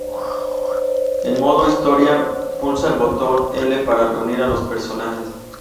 En "Modo historia", pulsa el Botón L para reunir a los personajes.